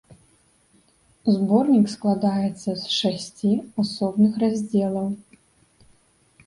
Зборнік складаецца з шасці асобных раздзелаў.